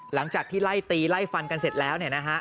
หลังจากที่ไล่ตีไล่ฟันกันเสร็จแล้ว